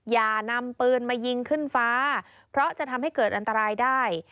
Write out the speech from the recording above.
อย่านำปืนมายิงขึ้นฟ้าเพราะจะทำให้เกิดอันตรายได้